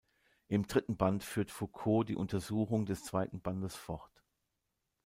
Im dritten Band führt Foucault die Untersuchung des zweiten Bandes fort.